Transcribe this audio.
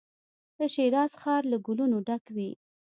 د شیراز ښار له ګلو نو ډک وي.